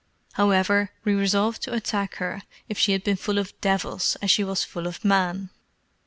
However, we resolved to attack her if she had been full of devils as she was full of men.